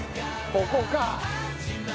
ここか。